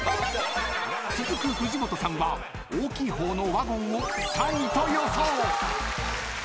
［続く藤本さんは大きい方のワゴンを３位と予想］